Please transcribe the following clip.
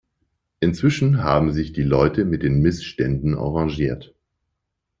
Inzwischen haben sich die Leute mit den Missständen arrangiert.